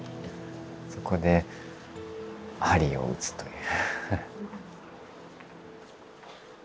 そこで鍼をうつという。